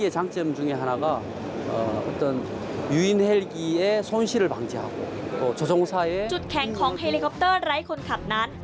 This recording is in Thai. จุดแข็งของเฮลิคอปเตอร์ไร้คนขับนั้น